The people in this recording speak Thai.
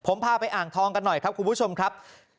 ผมพาไปอ่างทองกันหน่อยครับคุณผู้ชมครับ